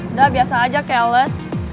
udah biasa aja keles